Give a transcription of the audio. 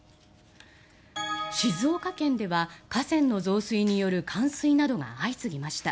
静岡県では河川の増水による冠水などが相次ぎました。